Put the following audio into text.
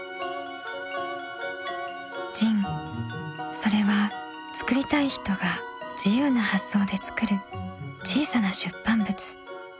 それはつくりたい人が自由な発想でつくる小さな出版物。